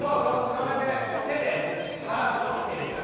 それでもう手で腹ズボッて入れて。